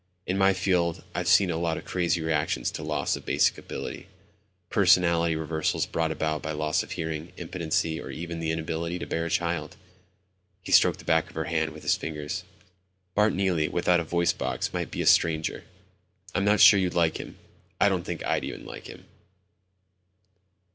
"In my field I've seen a lot of crazy reactions to loss of basic ability. Personality reversals brought about by loss of hearing, impotency, or even the inability to bear a child." He stroked the back of her hand with his finger. "Bart Neely without a voice box might be a stranger. I'm not sure you'd like him. I don't think I'd even like him."